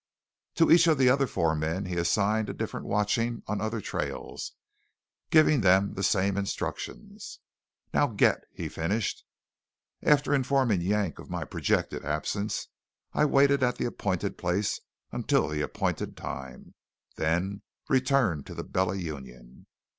To each of the other four men he assigned a different watching on other trails, giving them the same instructions. "Now git!" he finished. After informing Yank of my projected absence, I waited at the appointed place until the appointed time, then returned to the Bella Union.